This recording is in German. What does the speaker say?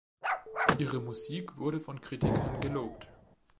Ihre Musik wurde von Kritikern gelobt.